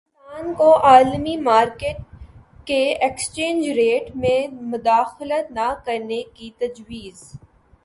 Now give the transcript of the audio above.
پاکستان کو عالمی مارکیٹ کے ایکسچینج ریٹ میں مداخلت نہ کرنے کی تجویز